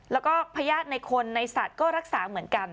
แล้วก็พญาติในคนในสัตว์ก็รักษาเหมือนกัน